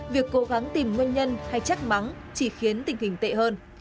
việc cố gắng tìm nguyên nhân hay chắc mắng chỉ khiến tình hình tệ hơn